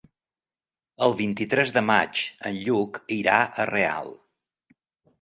El vint-i-tres de maig en Lluc irà a Real.